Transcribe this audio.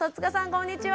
こんにちは！